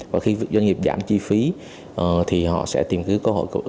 và khi doanh nghiệp giảm chi phí thì họ sẽ tìm kiếm cơ hội